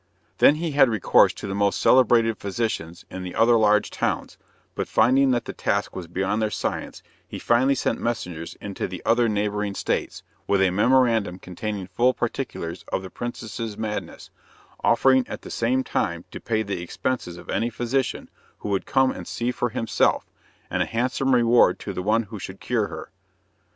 Then he had recourse to the most celebrated physicians in the other large towns, but finding that the task was beyond their science, he finally sent messengers into the other neighbouring states, with a memorandum containing full particulars of the princess's madness, offering at the same time to pay the expenses of any physician who would come and see for himself, and a handsome reward to the one who should cure her.